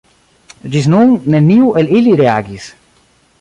Ĝis nun neniu el ili reagis.